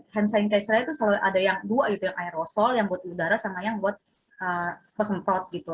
hand sanitizer nya tuh selalu ada yang dua gitu yang aerosol yang buat udara sama yang buat pesemprot gitu